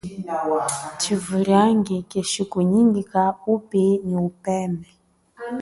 Tshivuliangi keshikunyika wupi nyi upeme.